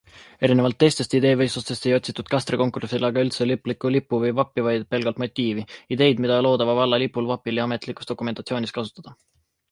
Erinevalt teistest ideevõistlustest ei otsitud Kastre konkursil aga üldse lõplikku lippu või vappi, vaid pelgalt motiivi - ideid, mida loodava valla lipul, vapil ja ametlikus dokumentatsioonis kasutada.